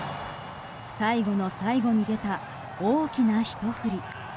最後の最後に出た大きなひと振り。